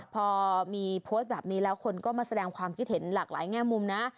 พอมีโพสต์แบบนี้แล้วคนก็มาแสดงความคิดเห็นหลากหลายแง่มุมนะ